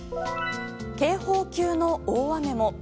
警報級の大雨も。